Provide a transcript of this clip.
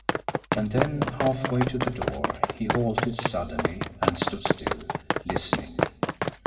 And then, halfway to the door, he halted suddenly, and stood still listening.